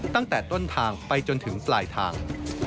ตั้งแต่ต้นทางไปจนถึงปลายทาง